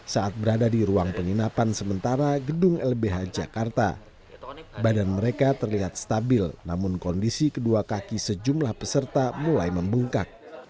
saat berada di ruang penginapan sementara gedung lbh jakarta badan mereka terlihat stabil namun kondisi kedua kaki sejumlah peserta mulai membungkak